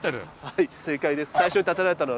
はい正解です。